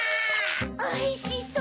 おいしそう！